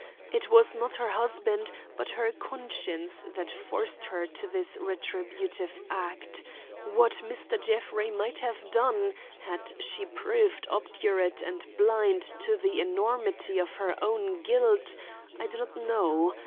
It was not her husband but her conscience that forced her to this retributive act. What Mr. Jeffrey might have done had she proved obdurate and blind to the enormity of her own guilt, I do not know.